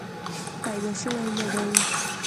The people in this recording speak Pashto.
پیدا شوې نه دي.